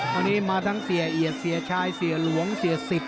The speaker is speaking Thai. ตอนนี้มาทั้งเสียเอียดเสียชายเสียหลวงเสียสิทธ